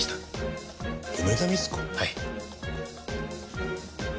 はい。